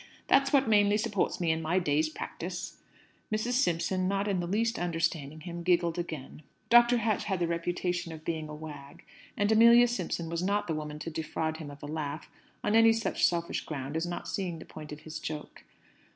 That's what mainly supports me in my day's practice." Mrs. Simpson, not in the least understanding him, giggled again. Dr. Hatch had the reputation of being a wag; and Amelia Simpson was not the woman to defraud him of a laugh on any such selfish ground as not seeing the point of his joke.